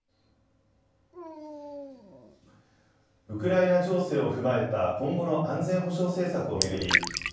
ウクライナ情勢を踏まえた今後の安全保障政策を巡り